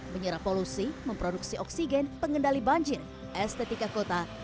menyerap polusi memproduksi oksigen pengendali banjir estetika kota